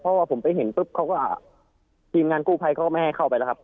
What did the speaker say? เพราะว่าผมไปเห็นปุ๊บเขาก็ทีมงานกู้ภัยเขาก็ไม่ให้เข้าไปแล้วครับ